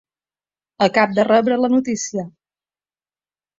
Acab de rebre la notícia.